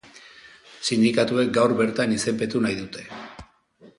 Sindikatuek gaur bertan izenpetu nahi dute.